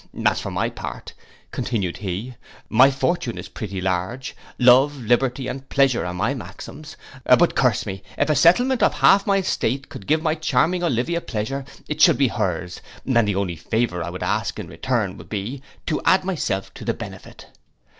As for my part,' continued he, 'my fortune is pretty large, love, liberty, and pleasure, are my maxims; but curse me if a settlement of half my estate could give my charming Olivia pleasure, it should be hers; and the only favour I would ask in return would be to add myself to the benefit.